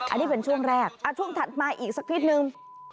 อันนี้เป็นช่วงแรกช่วงถัดมาอีกสักนิดนึง